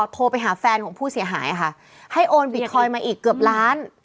โทรไปหาแฟนของผู้เสียหายค่ะให้โอนบิตคอยน์มาอีกเกือบล้าน